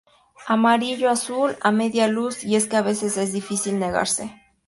Amarillo azul, a media luz, Y es que a veces es difícil negarse.